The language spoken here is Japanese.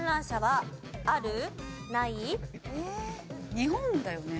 日本だよね？